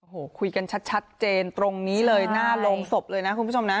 โอ้โหคุยกันชัดเจนตรงนี้เลยหน้าโรงศพเลยนะคุณผู้ชมนะ